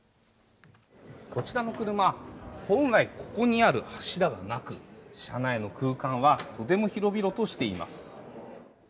こちらの車、本来ここにある柱がなく車内の空間はとても広々としています。